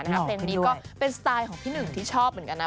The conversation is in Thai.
เพลงนี้ก็เป็นสไตล์ของพี่หนึ่งที่ชอบเหมือนกันนะ